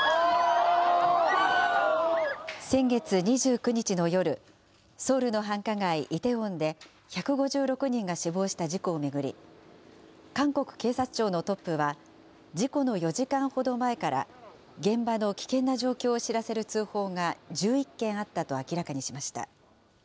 先月２９日の夜、ソウルの繁華街、イテウォンで１５６人が死亡した事故を巡り、韓国警察庁のトップは、事故の４時間ほど前から現場の危険な状況を知らせる通報が１１件あったと明らかにしました。